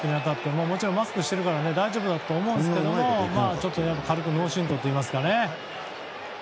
もちろんマスクしているから大丈夫だと思うんですけど軽く脳しんとうといいますか。